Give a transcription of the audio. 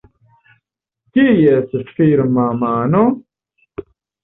Kies firma mano?